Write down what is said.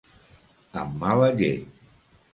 Amb mala llet.